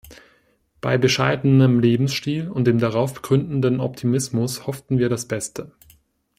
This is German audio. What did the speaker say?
Bei bescheidenem Lebensstil und dem darauf gründenden Optimismus hofften wir das Beste.